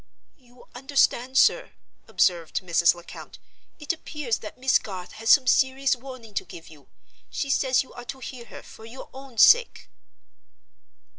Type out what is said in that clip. "You understand, sir?" observed Mrs. Lecount. "It appears that Miss Garth has some serious warning to give you. She says you are to hear her, for your own sake."